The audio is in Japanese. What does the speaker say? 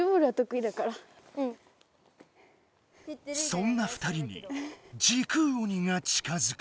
そんな２人に時空鬼が近づく。